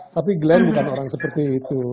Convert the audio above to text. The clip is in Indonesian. tapi glenn bukan orang seperti itu